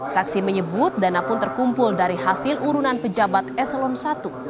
saksi menyebut dana pun terkumpul dari hasil urunan pejabat eselon i